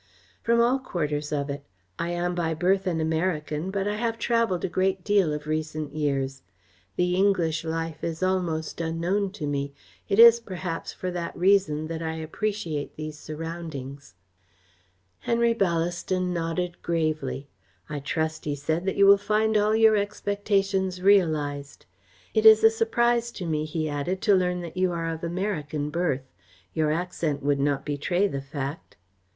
"From all quarters of it. I am by birth an American, but I have travelled a great deal of recent years. The English life is almost unknown to me. It is, perhaps, for that reason that I appreciate these surroundings." Henry Ballaston nodded gravely. "I trust," he said, "that you will find all your expectations realised. It is a surprise to me," he added, "to learn that you are of American birth. Your accent would not betray the fact."